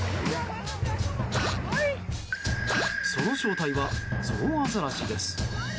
その正体はゾウアザラシです。